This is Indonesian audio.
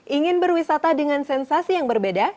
ingin berwisata dengan sensasi yang berbeda